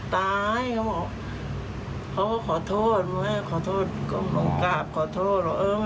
ตายคือขอโทษ